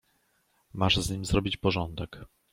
"Masz z nim zrobić porządek."